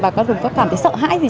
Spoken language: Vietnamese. và các đồng chí có cảm thấy sợ hãi gì